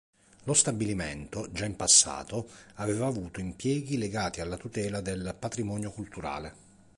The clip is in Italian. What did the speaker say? Lo stabilimento, già in passato, aveva avuto impieghi legati alla tutela del patrimonio culturale.